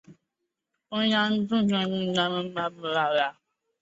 中共中央宣传部部长名录是历任宣传部部长列表。